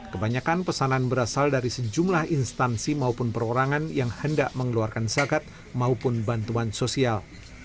kebanyakan pesanan berasal dari sejumlah instansi maupun perorangan yang hendak mengeluarkan zakat maupun bantuan sosial